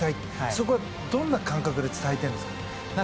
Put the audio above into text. そこはどんな感覚で伝えてるんですか？